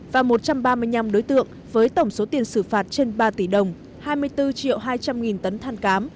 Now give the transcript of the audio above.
và một trăm ba mươi năm đối tượng với tổng số tiền xử phạt trên ba tỷ đồng hai mươi bốn hai trăm linh nghìn tấn than cám